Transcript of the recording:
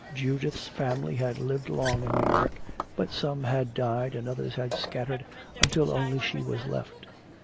Judith's family had lived long in New York, but some had died and others had scattered until only she was left.